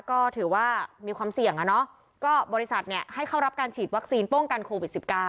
ก็ถือว่ามีความเสี่ยงก็บริษัทให้เข้ารับการฉีดวัคซีนป้องกันโควิด๑๙